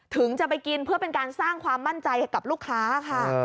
ถึงจะไปกินเพื่อเป็นการสร้างความมั่นใจให้กับลูกค้าค่ะ